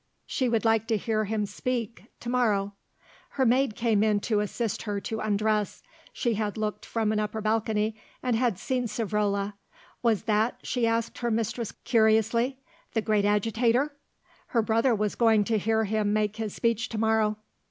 She would like to hear him speak to morrow. Her maid came in to assist her to undress. She had looked from an upper balcony and had seen Savrola. "Was that," she asked her mistress curiously, "the great Agitator?" Her brother was going to hear him make his speech to morrow.